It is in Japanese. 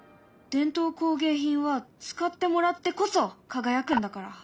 伝統工芸品は使ってもらってこそ輝くんだから！